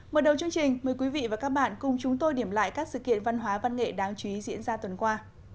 mở đầu chương trình mời quý vị và các bạn cùng chúng tôi điểm lại các sự kiện văn hóa văn nghệ đáng chú ý diễn ra tuần qua